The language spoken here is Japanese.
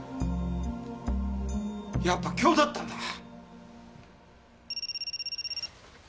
やっぱ今日だったんだな。